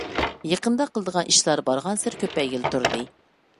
يېقىندا قىلىدىغان ئىشلار بارغانسېرى كۆپەيگىلى تۇردى.